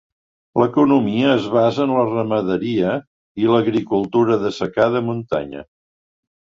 L'economia es basa en la ramaderia i l'agricultura de secà de muntanya.